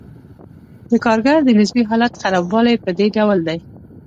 د کارګر د نسبي حالت خرابوالی په دې ډول دی